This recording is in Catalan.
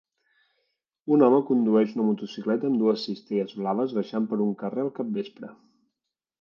Un home condueix una motocicleta amb dues cistelles blaves baixant per un carrer al capvespre.